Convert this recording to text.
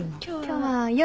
今日は夜。